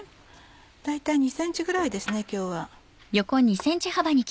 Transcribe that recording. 大体２ｃｍぐらいですね今日は。